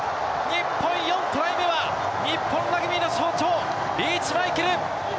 日本４トライ目は、日本ラグビーの象徴、リーチマイケル。